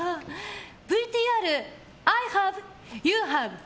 ＶＴＲ、アイハブユーハブ。